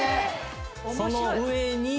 その上に。